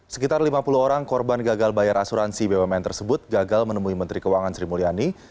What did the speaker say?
sekitar lima puluh orang korban gagal bayar asuransi bumn tersebut gagal menemui menteri keuangan sri mulyani